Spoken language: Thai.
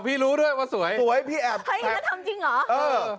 พี่รู้ด้วยว่าสวยสวยพี่แอบให้ก็ทำจริงเหรอเออ